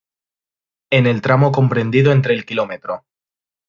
En el tramo comprendido entre el Km.